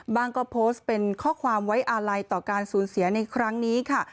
ก็โพสต์เป็นข้อความไว้อาลัยต่อการสูญเสียในครั้งนี้ค่ะ